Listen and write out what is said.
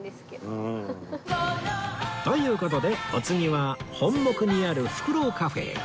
という事でお次は本牧にあるふくろうカフェへ